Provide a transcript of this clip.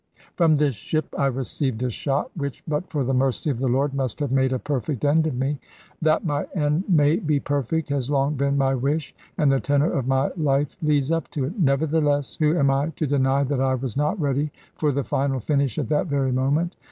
From this ship I received a shot, which, but for the mercy of the Lord, must have made a perfect end of me. That my end may be perfect has long been my wish, and the tenor of my life leads up to it. Nevertheless, who am I to deny that I was not ready for the final finish at that very moment?